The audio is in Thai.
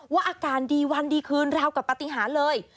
อาการดีวันดีคืนราวกับปฏิหารเลย